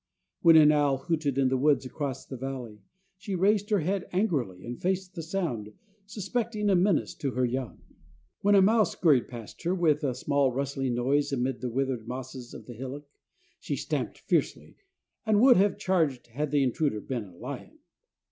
When an owl hooted in the woods across the valley, she raised her head angrily and faced the sound, suspecting a menace to her young. When a mouse scurried past her, with a small, rustling noise amid the withered mosses of the hillock, she stamped fiercely, and would have charged had the intruder been a lion.